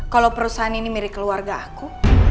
kalau perusahaan ini mirip keluarga aku